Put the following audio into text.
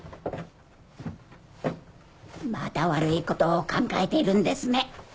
また悪いことを考えているんですね。